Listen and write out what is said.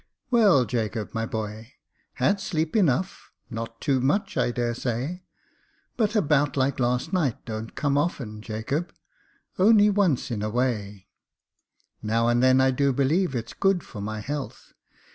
" Well, Jacob, my boy, had sleep enough .? Not too much, I daresay ; but a bout like last night don't come often, Jacob — only once in a way ; now and then I do believe it's good for my health.